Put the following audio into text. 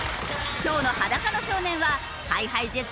今日の『裸の少年』はＨｉＨｉＪｅｔｓ